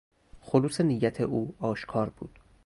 خلوص نیت او آشکار بود.